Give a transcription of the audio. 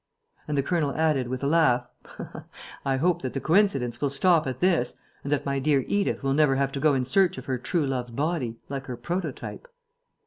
And the colonel added, with a laugh, "I hope that the coincidence will stop at this and that my dear Edith will never have to go in search of her true love's body, like her prototype."